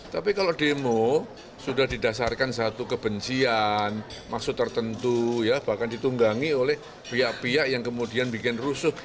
tapi kalau demo sudah didasarkan satu kebencian maksud tertentu ya bahkan ditunggangi oleh pihak pihak yang kemudian bikin rusuh